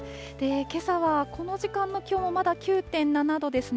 けさはこの時間の気温もまだ９．７度ですね。